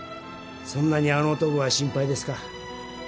そんなにあの男が心配ですか？